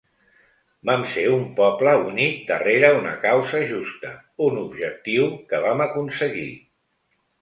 Vam ser un poble unit darrere una causa justa, un objectiu, que vam aconseguir.